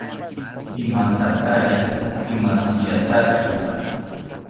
Imantakari imantziyataki